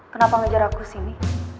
kenapa ngejar aku sini